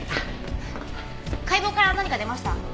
解剖から何か出ました？